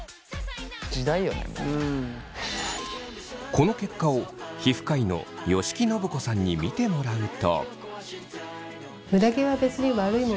この結果を皮膚科医の吉木伸子さんに見てもらうと。